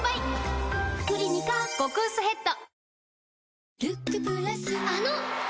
「クリニカ」極薄ヘッド